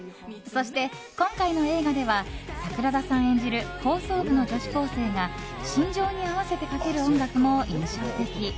そして、今回の映画では桜田さん演じる放送部の女子高生が心情に合わせてかける音楽も印象的。